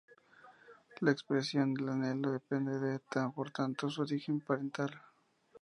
La expresión del alelo depende, por tanto, de su origen parental.